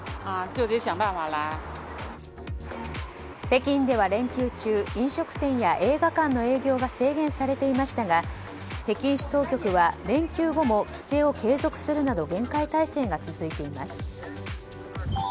北京では連休中飲食店や映画館の営業が制限されていましたが北京市当局は連休後も、規制を継続するなど厳戒態勢が続いています。